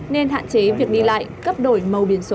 nên hạn chế việc đi lại cấp đổi màu biển số